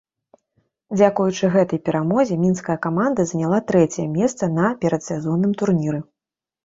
Дзякуючы гэтай перамозе мінская каманда заняла трэцяе месца на перадсезонным турніры.